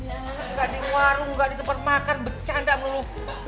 enggak di warung enggak di tempat makan bercanda mulu